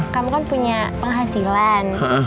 kamu kan punya penghasilan